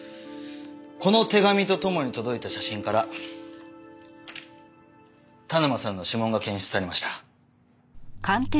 この手紙と共に届いた写真から田沼さんの指紋が検出されました。